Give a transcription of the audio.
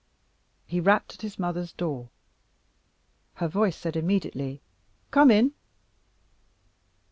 He rapped at his mother's door. Her voice said immediately, "Come in."